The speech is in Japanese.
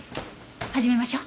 始めましょう。